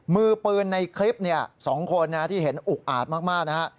มือปืนในคลิป๒คนที่เห็นอุกอาจมากนะฮะ